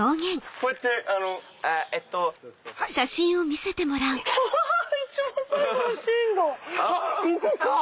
ここか！